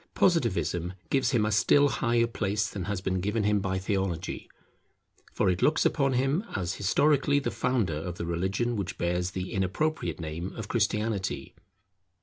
Positivism gives him a still higher place than has been given him by Theology; for it looks upon him as historically the founder of the religion which bears the inappropriate name of Christianity.